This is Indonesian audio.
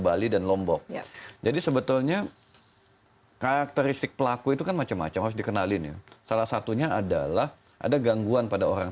bulan ke empat bahkan macam macam harus dikenal ini salah satunya adalah ada gangguan pada orang